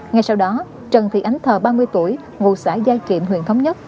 ngay sau đó trần thị ánh thờ ba mươi tuổi ngụ xã giai kiệm huyện thống nhất